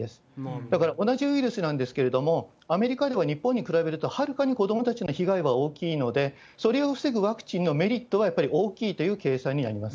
だから、同じウイルスなんですけれども、アメリカでは日本に比べると、はるかに子どもたちに被害が大きいので、それを防ぐワクチンのメリットはやっぱり大きいという計算になります。